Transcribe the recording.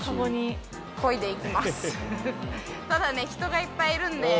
ただね人がいっぱいいるんで。